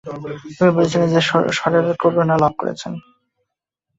তিনি বলেছিলেন যে তিনি শ্বরের করুণা লাভ করেছেন।